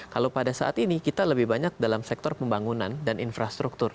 kalau pada saat ini kita lebih banyak dalam sektor pembangunan dan infrastruktur